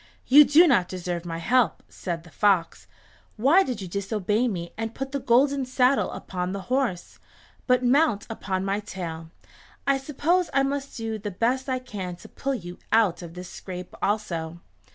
"You do not deserve my help," said the fox. "Why did you disobey me and put the golden saddle upon the horse? But mount upon my tail. I suppose I must do the best I can to pull you out of this scrape also."